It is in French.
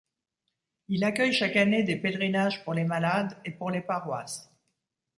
Il accueille chaque année des pèlerinages pour les malades et pour les paroisses.